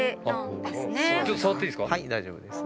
はい大丈夫です。